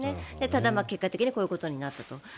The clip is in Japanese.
ただ、結果的にこういうことになったと。